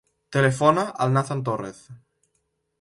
Telefona al Nathan Torrez.